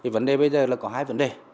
vấn đề bây giờ là có hai vấn đề